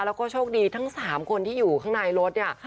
แล้วก็โชคดีทั้ง๓คนที่อยู่ข้างในรถเนี่ย